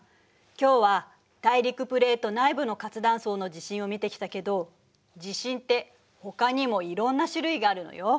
今日は大陸プレート内部の活断層の地震を見てきたけど地震ってほかにもいろんな種類があるのよ。